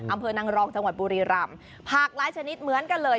อำเภอนางรองจังหวัดบุรีรำผักหลายชนิดเหมือนกันเลย